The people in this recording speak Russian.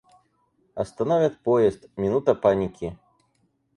Остановят поезд — минута паники.